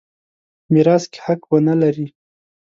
میراث کې حق ونه لري.